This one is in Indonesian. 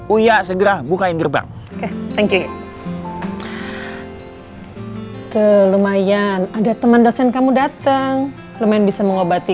uya segera bukain gerbang oke thank you lumayan ada teman dosen kamu datang lumayan bisa mengobati